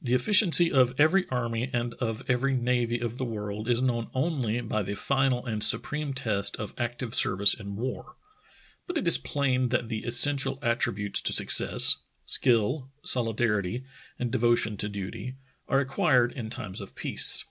The efficiency of every army and of every navy of the world is known only by the final and supreme test of active service in war, but it is plain that the essential attributes to success — skill, solidarity, and devotion to duty — are acquired in times of peace.